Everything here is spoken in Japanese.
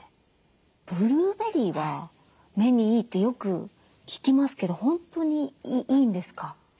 ブルーベリーは目にいいってよく聞きますけど本当にいいんですか？